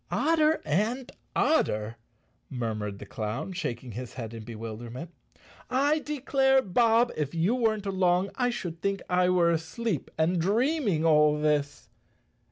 "Odder and odder!" murmured the clown, shaking his head in bewilderment. "I declare, Bob, if you weren't along I should think I were asleep and dream¬ ing all this."